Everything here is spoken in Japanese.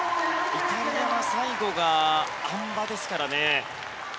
イタリアは最後があん馬ですからね。